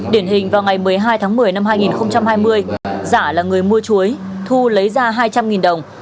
điển hình vào ngày một mươi hai tháng một mươi năm hai nghìn hai mươi giả là người mua chuối thu lấy ra hai trăm linh đồng